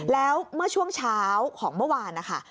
แล้วเมื่อช่วงเช้าของเมื่อวานนะคะ